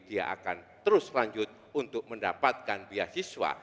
kjp dia akan terus lanjut untuk mendapatkan biaya siswa